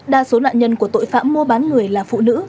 đa số nạn nhân của tội phạm mua bán người là phụ nữ